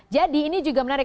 jadi ini juga menarik